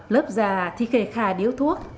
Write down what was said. lớp già thì kề khà điếu thuốc